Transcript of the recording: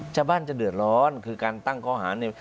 ชาวบ้านจะเดือดร้อนคือการตั้งข้อหาเนี่ย